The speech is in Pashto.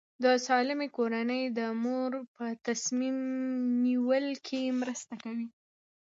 د سالمې کورنۍ د مور په تصمیم نیول کې مرسته کوي.